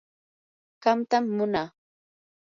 qamtam munaa.